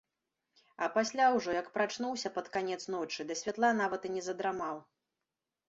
А пасля ўжо, як прачнуўся пад канец ночы, да святла нават і не задрамаў.